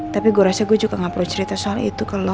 tapi gue rasa gue juga gak perlu cerita soal itu kalau